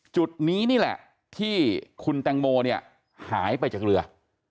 จุดนี้นี่แหละที่คุณแตงโมเนี่ยหายไปจากเรือ